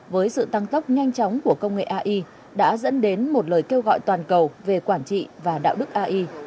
với sự tăng tốc nhanh chóng của công nghệ ai đã dẫn đến một lời kêu gọi toàn cầu về quản trị và đạo đức ai